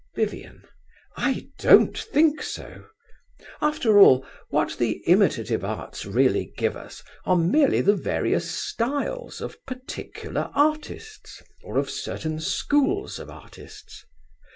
VIVIAN. I don't think so. After all, what the imitative arts really give us are merely the various styles of particular artists, or of certain schools of artists.